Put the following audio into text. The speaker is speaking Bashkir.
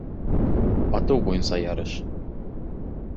Атыу буйынса ярыш